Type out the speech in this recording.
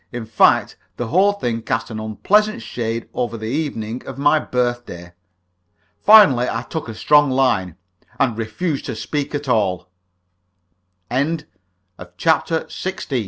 In fact, the whole thing cast an unpleasant shade over the evening of my birthday. Finally I took a strong line, and refused to speak at all. THE 9.43 In